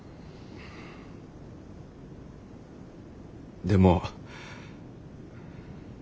でも。